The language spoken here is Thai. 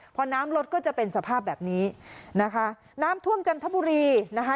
พอน้ำลดก็จะเป็นสภาพแบบนี้นะคะน้ำท่วมจันทบุรีนะคะ